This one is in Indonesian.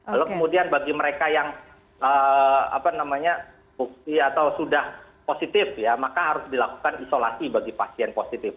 lalu kemudian bagi mereka yang bukti atau sudah positif ya maka harus dilakukan isolasi bagi pasien positif